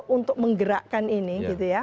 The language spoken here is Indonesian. untuk menggerakkan ini gitu ya